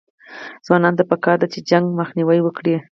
ځوانانو ته پکار ده چې، جنګ مخنیوی وکړي